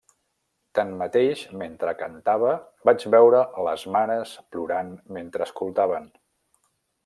Tanmateix, mentre cantava, vaig veure les mares plorant mentre escoltaven.